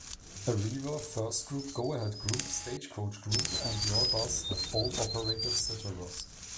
Arriva, FirstGroup, Go-Ahead Group, Stagecoach Group and Yourbus have all operated Citaros.